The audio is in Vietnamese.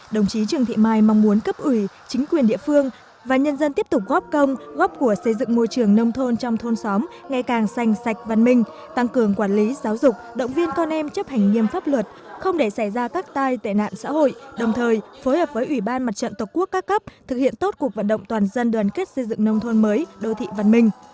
đồng chí trường thị mai mong muốn cấp ủy chính quyền địa phương và nhân dân tiếp tục góp công góp của xây dựng môi trường nông thôn trong thôn xóm ngày càng sành sạch văn minh tăng cường quản lý giáo dục động viên con em chấp hành nghiêm pháp luật không để xảy ra các tai tệ nạn xã hội đồng thời phối hợp với ủy ban mặt trận tộc quốc ca cấp thực hiện tốt cuộc vận động toàn dân đoàn kết xây dựng nông thôn mới đô thị văn minh